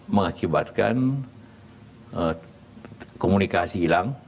mengakibatkan komunikasi hilang